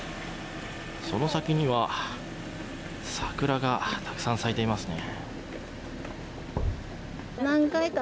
その先には桜がたくさん咲いていますね。